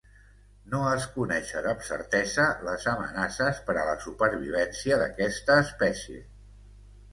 No es coneixen amb certesa les amenaces per a la supervivència d'aquesta espècie.